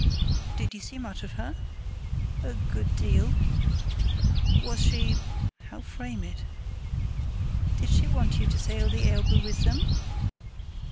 "Did you see much of her?" "A good deal." "Was she——," (how frame it?) "Did she want you to sail to the Elbe with them?"